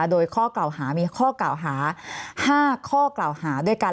โดยข้อกล่าวหามีข้อกล่าวหา๕ข้อกล่าวหาด้วยกัน